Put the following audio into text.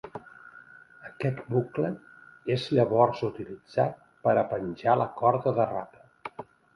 Aquest bucle és llavors utilitzat per a penjar la corda de ràpel.